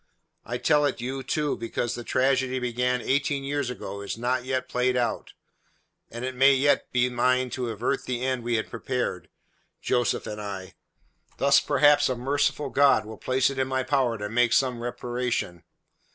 I tell it you, too, because the tragedy begun eighteen years ago is not yet played out, and it may yet be mine to avert the end we had prepared Joseph and I. Thus perhaps a merciful God will place it in my power to make some reparation.